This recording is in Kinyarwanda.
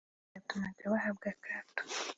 byatumaga bahabwa akato